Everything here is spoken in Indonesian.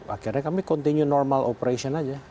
akhirnya kami continue normal operation aja